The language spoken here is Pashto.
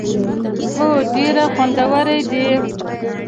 هو، ډیری خوندورې دي